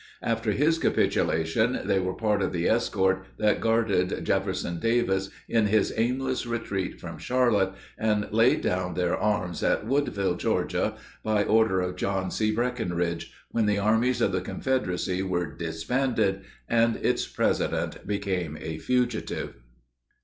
After his capitulation they were part of the escort that guarded, Jefferson Davis in his aimless retreat from Charlotte and laid down their arms at Woodville, Georgia, by order of John. C. Breckinridge, when the armies of the Confederacy were disbanded, and its President became a fugitive.